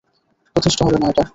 যথেষ্ট হবে না এটা!